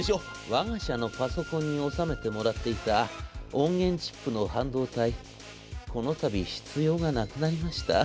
「わが社のパソコンに納めてもらっていた音源チップの半導体この度、必要がなくなりました。